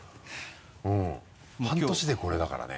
うん半年でこれだからね。